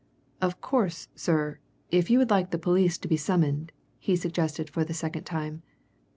"Of course, sir, if you would like the police to be summoned," he suggested for the second time.